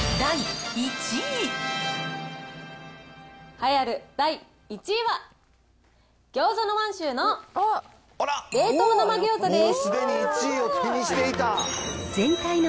栄えある第１位は、ぎょうざの満州の冷凍生ぎょうざです。